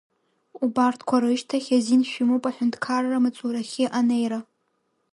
Убарҭқәа рышьҭахь азин шәымоуп аҳәынҭқарра маҵурахьы анеира.